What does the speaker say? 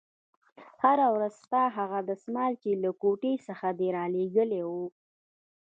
هره ورځ ستا هغه دسمال چې له کوټې څخه دې رالېږلى و.